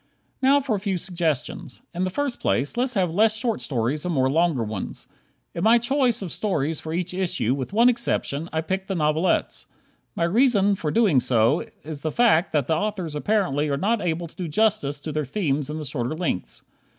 Now for a few suggestions. In the first place, let's have less short stories, and more longer ones. In my choice of stories for each issue, with one exception, I picked the novelettes. My reason for so doing is the fact that the authors apparently are not able to do justice to their themes in the shorter lengths.